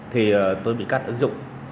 thì tôi bị cắt ứng dụng